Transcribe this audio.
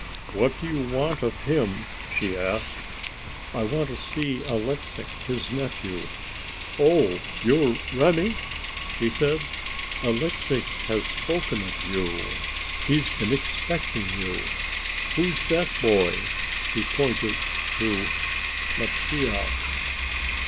"What do you want of him?" she asked. "I want to see Alexix, his nephew." "Oh? you're Remi?" she said. "Alexix has spoken of you. He's been expecting you. Who's that boy?" She pointed to Mattia.